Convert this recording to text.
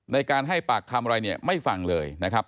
ในการให้ปากคำอะไรเนี่ยไม่ฟังเลยนะครับ